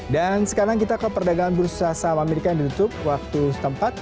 dan sekarang kita ke perdagangan bursa saham amerika yang ditutup waktu sempat